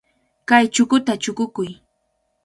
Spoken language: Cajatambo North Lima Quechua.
Kay chukuta chukukuy.